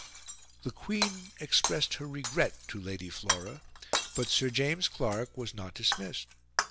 The Queen expressed her regret to Lady Flora, but Sir James Clark was not dismissed.